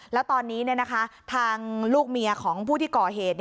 แล้วตอนนี้ทางลูกเมียของผู้ที่ก่อเหตุ